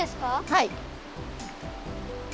はい。